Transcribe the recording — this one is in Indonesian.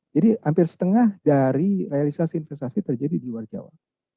jadi hampir setengah dari realisasi investasi terjadi di luar jawa